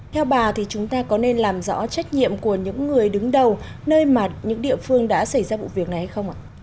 theo bà thì chúng ta có nên làm rõ trách nhiệm của những người đứng đầu nơi mà những địa phương đã xảy ra vụ việc này không ạ